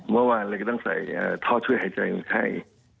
เมื่อวานเราก็ต้องใส่ท่อช่วยหายใจคนไข้